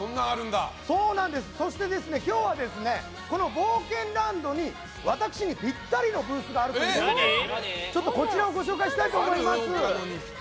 そして、今日はこの冒険ランドに私にぴったりのブースがあることでこちらをご紹介したいと思います。